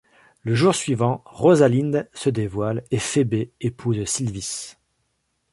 Le jour suivant, Rosalinde se dévoile, et Phébé épouse Silvis.